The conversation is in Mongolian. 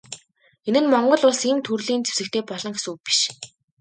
Энэ нь Монгол Улс ийм төрлийн зэвсэгтэй болно гэсэн үг биш.